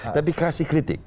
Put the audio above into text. tapi berikan kritik